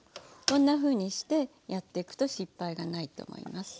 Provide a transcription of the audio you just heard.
こんなふうにしてやっていくと失敗がないと思います。